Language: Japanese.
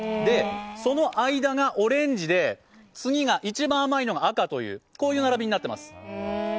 その間がオレンジで、次が一番甘いのが赤と、こういう並びになってます。